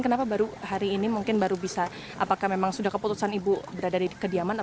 kenapa baru hari ini mungkin baru bisa apakah memang sudah keputusan ibu berada di kediaman